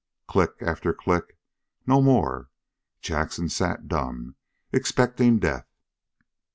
Click after click, no more; Jackson sat dumb, expecting death.